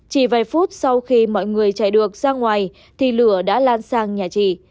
chỉ vài phút sau khi mọi người chạy được ra ngoài thì lửa đã lan sang nhà chị